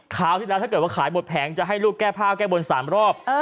คราวที่แล้วถ้าเกิดว่าขายหมดแผงจะให้ลูกแก้ผ้าแก้บน๓รอบ